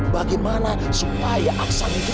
bagaimana supaya aksan itu tidak mencari ibunya